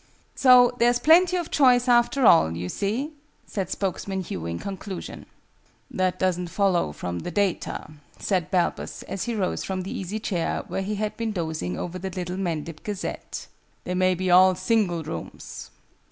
"So there's plenty of choice, after all, you see," said spokesman Hugh in conclusion. "That doesn't follow from the data," said Balbus, as he rose from the easy chair, where he had been dozing over The Little Mendip Gazette. "They may be all single rooms.